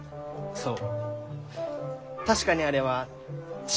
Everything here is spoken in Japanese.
そう。